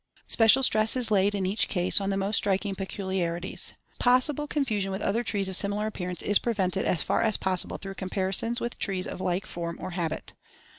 Special stress is laid in each case on the most striking peculiarities. Possible confusion with other trees of similar appearance is prevented as far as possible through comparisons with trees of like form or habit.